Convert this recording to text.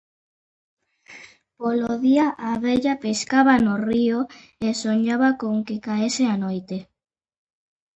El Rey se entusiasma con Júpiter.